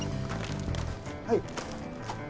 はい。